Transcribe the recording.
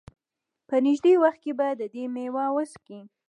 په نېږدې وخت کې به د دې مېوه وڅکي.